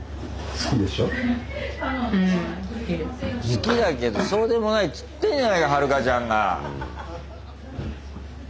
好きだけどそうでもないっつってんじゃないかはるかちゃんが！